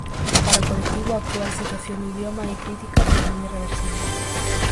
Para o colectivo, a actual situación do idioma é crítica pero non irreversible.